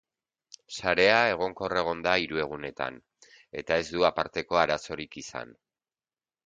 Sarea egonkor egon da hiru egunetan, eta ez du aparteko arazorik izan.